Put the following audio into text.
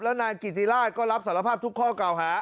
แล้วนายกิติราชก็รับสารภาพทุกข้อเก่าหา